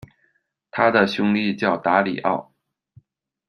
他的兄弟叫达里奥。